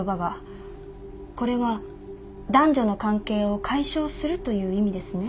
これは男女の関係を解消するという意味ですね？